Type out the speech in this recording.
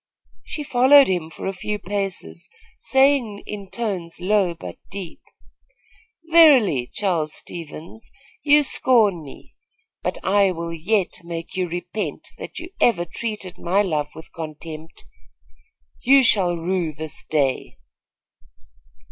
She followed him for a few paces, saying in tones low but deep: "Verily, Charles Stevens, you scorn me; but I will yet make you repent that you ever treated my love with contempt. You shall rue this day."